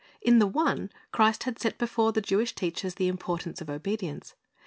In the one, Christ had set before the Jewish teachers the importance of obedience.